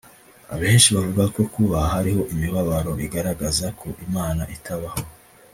Abenshi bavuga ko kuba hariho imibabaro bigaragaza ko Imana itabaho